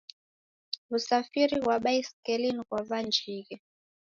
W'usafiri ghwa baisikeli ni ghwa w'anjighe